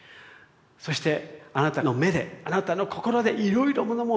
そしてあなたの目であなたの心でいろいろものも見てきて下さい。